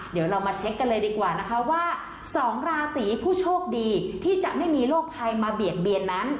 เดี๋ยวเรามาเช็คกันเลยดีกว่านะคะว่า๒ราศีผู้โชคดีที่จะไม่มีโรคภัยมาเบียดเบียนนั้น